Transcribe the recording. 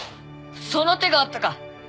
その手があったか。